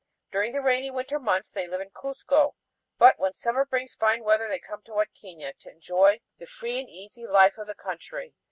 During the rainy winter months they live in Cuzco, but when summer brings fine weather they come to Huadquiña to enjoy the free and easy life of the country.